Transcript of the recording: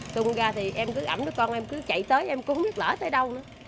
tung ra thì em cứ ẩm đứa con em cứ chạy tới em cũng biết lỡ tới đâu nữa